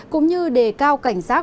cũng như đề cao cảnh giác